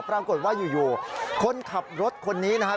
ปรากฏว่าอยู่คนขับรถคนนี้นะฮะ